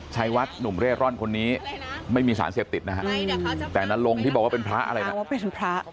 ชัยวัดหนุ่มเร่ร่อนคนนี้ไม่มีสารเสพติดนะฮะแต่นรงที่บอกว่าเป็นพระอะไรนะว่าเป็นพระ